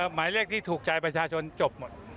หมายเลขที่ถูกใจประชาชนจบหมด